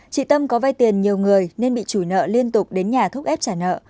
chị tâm có vai tiền nhiều người nên bị chủi nợ liên tục đến nhà thúc ép trả nợ